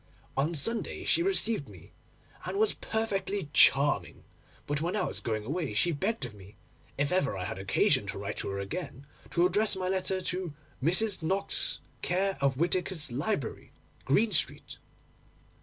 On Sunday she received me, and was perfectly charming; but when I was going away she begged of me, if I ever had occasion to write to her again, to address my letter to "Mrs. Knox, care of Whittaker's Library, Green Street."